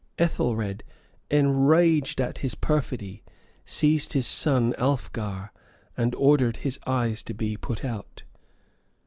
[] Ethelred, enraged at his perfidy, seized his son Alfgar, and ordered his eyes to be put out.